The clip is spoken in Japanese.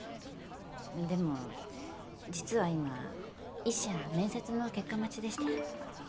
でも実は今一社面接の結果待ちでして。